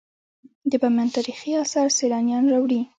د بامیان تاریخي اثار سیلانیان راوړي